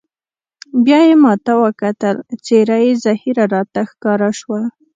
بیا یې ما ته وکتل، څېره یې زهېره راته ښکاره شوه.